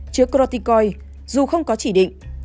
chứa croticoi dù không có chỉ định